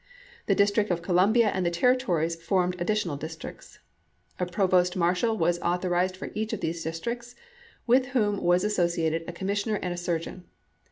The Dis trict of Columbia and the Territories formed addi tional districts. A provost marshal was author ized for each of these districts, with whom was associated a commissioner and a surgeon.